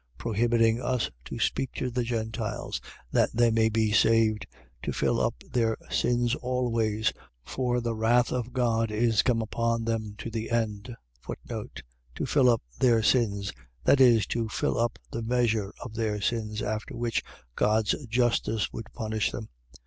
Prohibiting us to speak to the Gentiles, that they may be saved, to fill up their sins always: for the wrath of God is come upon them to the end. To fill up their sins. . .That is, to fill up the measure of their sins, after which God's justice would punish them.